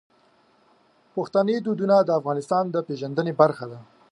پښتني دودونه د افغانستان د پیژندنې برخه دي.